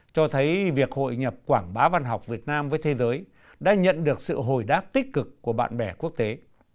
cho thấy việc hội nhập quảng bá văn học việt nam với thế giới đã nhận được sự hồi đáp tích cực của bạn bè quốc tế